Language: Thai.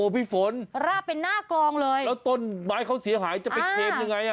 พี่ฝนราบเป็นหน้ากองเลยแล้วต้นไม้เขาเสียหายจะไปเคลมยังไงอ่ะ